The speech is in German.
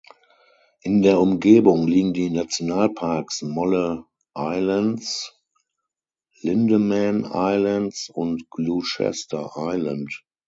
In der Umgebung liegen die Nationalparks Molle Islands, Lindeman Islands und Gloucester Island.